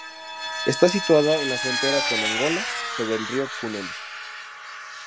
Está situada en la frontera con Angola sobre el Río Cunene.